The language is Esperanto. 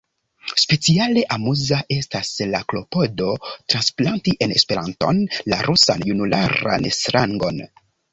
Speciale amuza estas la klopodo transplanti en Esperanton la rusan junularan slangon.